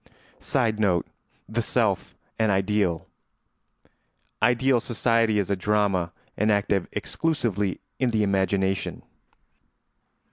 [Sidenote: The self an ideal.] Ideal society is a drama enacted exclusively in the imagination.